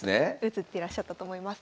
映ってらっしゃったと思います。